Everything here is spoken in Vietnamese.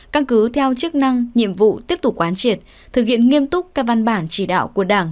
căn cứ theo chức năng nhiệm vụ tiếp tục quán triệt thực hiện nghiêm túc các văn bản chỉ đạo của đảng